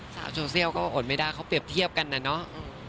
สาวโซเชียลก็อดไม่ได้เขาเปรียบเทียบกันนะเนาะ